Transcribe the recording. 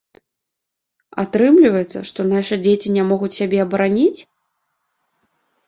Атрымліваецца, што нашы дзеці не могуць сябе абараніць?